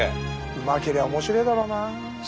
うまけりゃ面白いだろうな。